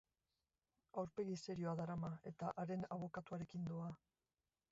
Aurpegi serioa darama eta haren abokatuarekin doa.